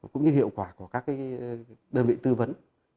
cũng như hiệu quả của các đơn vị tư vấn